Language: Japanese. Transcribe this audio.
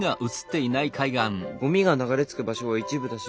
ゴミが流れ着く場所は一部だし